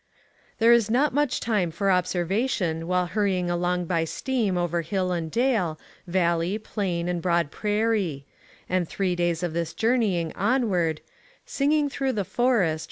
There is not much time for observation while hurrying along by steam over hill and dale, valley, plain, and broad prairie ; and three days of this journeying on ward, " Singing through the forest.